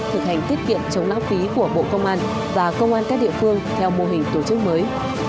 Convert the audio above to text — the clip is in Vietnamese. thực hành tiết kiệm chống lãng phí của bộ công an và công an các địa phương theo mô hình tổ chức mới